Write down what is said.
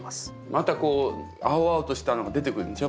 また青々としたの出てくるんでしょ？